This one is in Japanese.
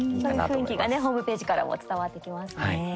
そういう雰囲気がねホームページからも伝わってきますね。